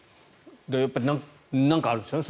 やっぱり何かあるんでしょうね。